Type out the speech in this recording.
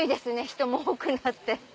人も多くなって。